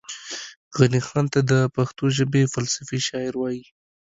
غني خان ته دا پښتو ژبې فلسفي شاعر وايي